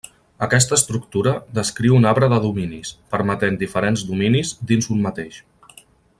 Aquesta estructura descriu un arbre de dominis, permetent diferents dominis dins un mateix.